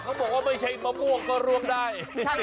เขาบอกว่าไม่ใช่มะมวกก็ร่วงได้